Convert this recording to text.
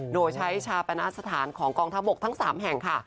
โดยใช้ชาปณสถานของกองทัพบกทั้ง๓แห่งค่ะ